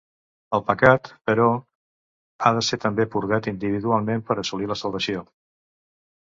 El pecat, però, ha de ser també purgat individualment per assolir la salvació.